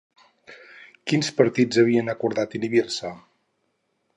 Quins partits havien acordat inhibir-se?